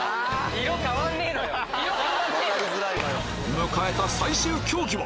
迎えた最終競技は？